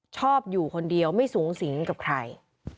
ชอบอยู่คนเดียวไม่สูงสิงกับใคร